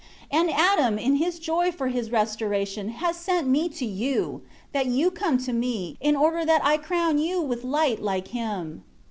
6 And Adam, in his joy for his restoration, has sent me to you, that you come to me, in order that I crown you with light like him.